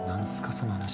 その話。